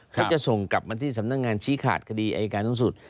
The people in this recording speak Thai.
เขาจะส่งกลับมาที่สำนักงานชี้ขาดคดีอายการสูงสุด